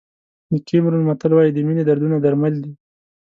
د کیمرون متل وایي د مینې دردونه درمل دي.